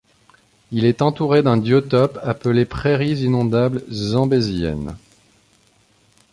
Il est entouré d'un biotope appelé Prairies inondables zambéziennes.